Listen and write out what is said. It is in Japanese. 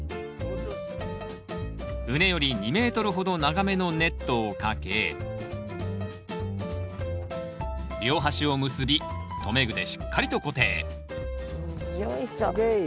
畝より２メートルほど長めのネットをかけ両端を結び留め具でしっかりと固定よいしょ。